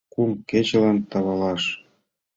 Кум качылан тавалаш.